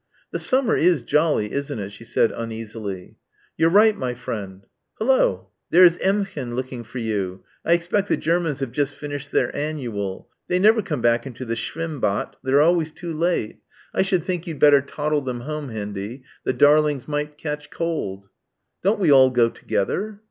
"The summer is jolly, isn't it?" she said uneasily. "You're right, my friend. Hullo! There's Emmchen looking for you. I expect the Germans have just finished their annual. They never come into the Schwimmbad, they're always too late. I should think you'd better toddle them home, Hendy the darlings might catch cold." "Don't we all go together?"